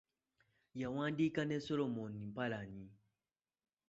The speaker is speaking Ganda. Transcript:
Yawandiika ne Solomom Mpalanyi.